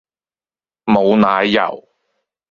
無奶油